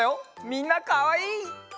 みんなかわいい！